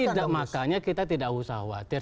tidak makanya kita tidak usah khawatir